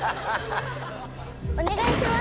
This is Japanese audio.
お願いします。